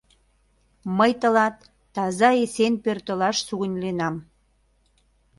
Мый тылат таза-эсен пӧртылаш сугыньленам.